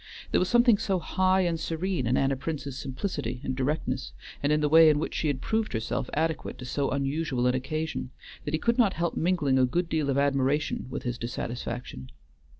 There was something so high and serene in Anna Prince's simplicity and directness, and in the way in which she had proved herself adequate to so unusual an occasion, that he could not help mingling a good deal of admiration with his dissatisfaction.